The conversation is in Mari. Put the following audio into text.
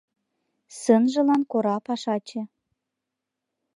Сынжылан кора пашаче.